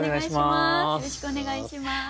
よろしくお願いします。